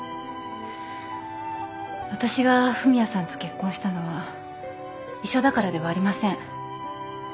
わたしが文也さんと結婚したのは医者だからではありません。